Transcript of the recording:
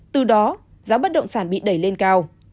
từ đó giá bất động sản bị đẩy lên cao